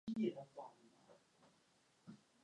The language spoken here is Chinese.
它源自于效率市场假说。